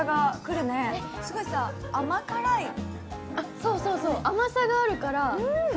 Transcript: そうそうそう甘さがあるから。